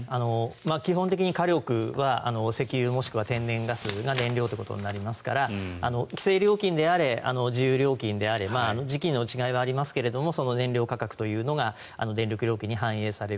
基本的に火力は石油もしくは天然ガスが燃料ってことになりますから規制料金であれ自由料金であれ時期の違いはありますがその燃料価格というのが電力料金に反映される。